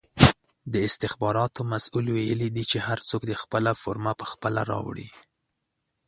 د استخباراتو مسئول ویلې دي چې هر څوک دې خپله فرمه پخپله راوړي!